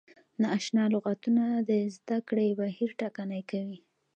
نا اشنا لغتونه د زده کړې بهیر ټکنی کوي.